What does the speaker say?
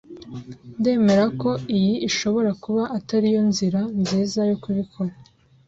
Ndemera ko iyi ishobora kuba atari yo nzira nziza yo kubikora.